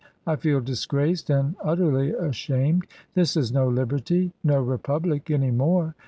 "I feel dis graced and utterly ashamed; this is no liberty, no republic any more.